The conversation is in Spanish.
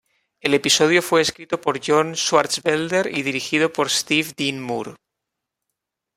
El episodio fue escrito por John Swartzwelder y dirigido por Steve Dean Moore.